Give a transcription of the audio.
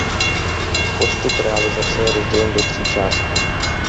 Postup realizace je rozdělen do tří částí.